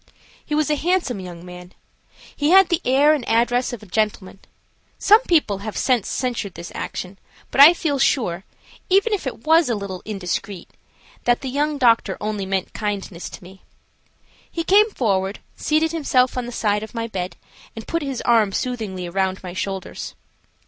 He was a handsome young man. He had the air and address of a gentleman. Some people have since censured this action; but I feel sure, even if it was a little indiscreet, that they young doctor only meant kindness to me. He came forward, seated himself on the side of my bed, and put his arm soothingly around my shoulders.